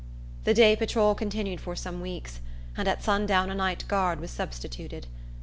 The day patrol continued for some weeks, and at sundown a night guard was substituted.